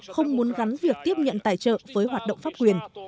không muốn gắn việc tiếp nhận tài trợ với hoạt động pháp quyền